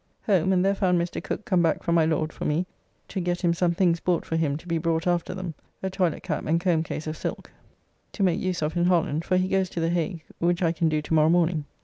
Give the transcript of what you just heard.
Home, and there found Mr. Cooke come back from my Lord for me to get him some things bought for him to be brought after them, a toilet cap and comb case of silk, to make use of in Holland, for he goes to the Hague, which I can do to morrow morning.